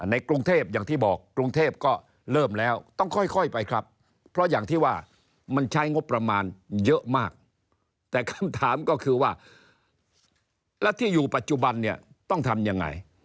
ในกรุงเทพอย่างที่บอกกรุงเทพก็เริ่มแล้วต้องค่อยไปครับเพราะอย่างที่ว่ามันใช้งบประมาณเยอะมากแต่คำถามก็คือว่าแล้วที่อยู่ปัจจุบันเนี่ยต้องทำยังไง